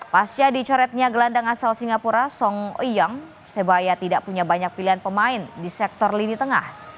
pas jadi coretnya gelandang asal singapura song ouyang persebaya tidak punya banyak pilihan pemain di sektor lini tengah